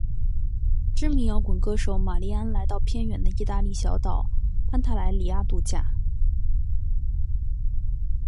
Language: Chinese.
知名摇滚歌手玛莉安来到偏远的义大利小岛潘泰莱里亚度假。